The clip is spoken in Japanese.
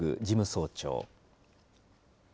事務総長。